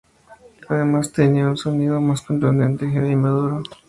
Además, tenía un sonido más contundente, heavy y maduro.